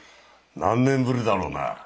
何年ぶりだろうな。